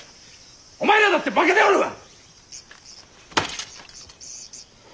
お前らだって負けておるわ！